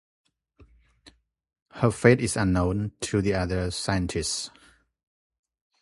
Her fate is unknown to the other scientists.